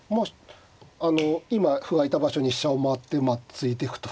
あの今歩がいた場所に飛車を回ってまあ突いてくと。